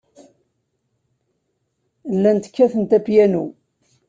Llant kkatent apyanu.